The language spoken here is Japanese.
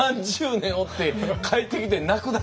３０年おって帰ってきて泣くだけ。